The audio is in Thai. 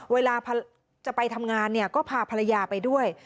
เวลาจะไปทำงานเนี่ยก็พาภรรยาไปด้วย